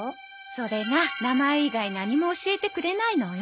それが名前以外何も教えてくれないのよ。